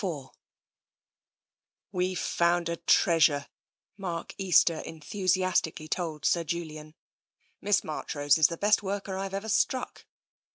IV "We've found a treasure/' Mark Easter enthusi astically told Sir Julian. " Miss Marchrose is the best worker Tve ever struck.